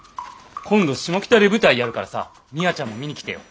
今度シモキタで舞台やるからさミワちゃんも見に来てよ。